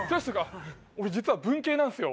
俺実は文系なんすよ。